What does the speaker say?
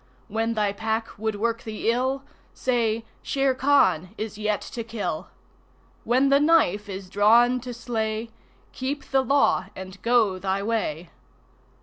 When thy Pack would work thee ill, Say: "Shere Khan is yet to kill." When the knife is drawn to slay, Keep the Law and go thy way.